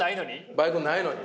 バイクないのに。